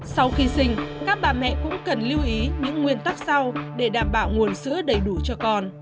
sau khi sinh các bà mẹ cũng cần lưu ý những nguyên tắc sau để đảm bảo nguồn sữa đầy đủ cho con